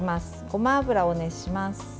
ごま油を熱します。